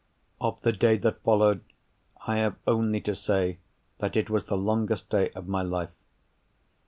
Of the day that followed, I have only to say that it was the longest day of my life.